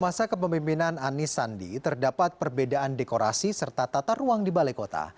masa kepemimpinan anis sandi terdapat perbedaan dekorasi serta tata ruang di balai kota